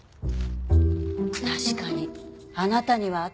確かにあなたには合ってるわ。